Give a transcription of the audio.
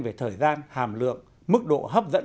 về thời gian hàm lượng mức độ hấp dẫn